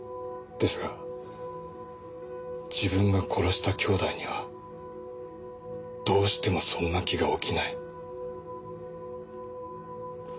ですが自分が殺した兄弟にはどうしてもそんな気が起きない。